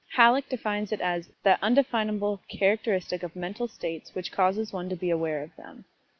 Halleck defines it as "that undefinable characteristic of mental states which causes one to be aware of them."